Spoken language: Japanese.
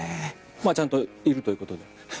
ちゃんといるということで。